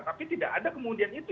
tapi tidak ada kemudian itu